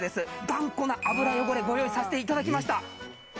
頑固な油汚れご用意させて頂きました。